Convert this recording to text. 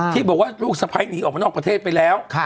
ที่บอกว่าลูกสะพ้ายหนีออกมานอกประเทศไปแล้ว